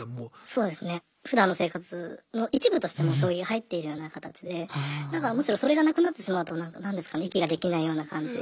そうですね。ふだんの生活の一部としてもう将棋が入っているような形でだからむしろそれがなくなってしまうとなんですかね息ができないような感じ。